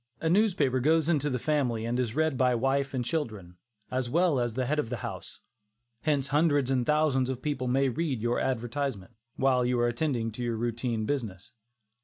A newspaper goes into the family and is read by wife and children, as well as the head of the house; hence hundreds and thousands of people may read your advertisement, while you are attending to your routine business.